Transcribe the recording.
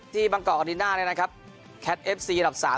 ที่บังกอลอดินน่าด้านนั้นครับแคทเอฟซีดับสาม